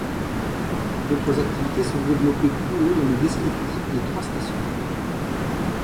D'autres activités sont développées plus haut dans le descriptif des trois stations.